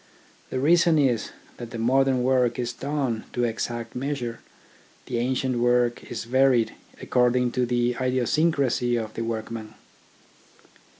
The reason is, that the modern work is done to exact measure, the ancient work is varied according to the idiosyncrasy of the workman.